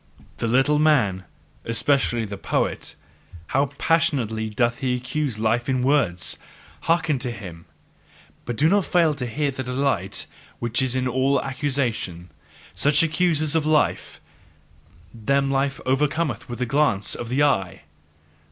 The little man, especially the poet how passionately doth he accuse life in words! Hearken to him, but do not fail to hear the delight which is in all accusation! Such accusers of life them life overcometh with a glance of the eye.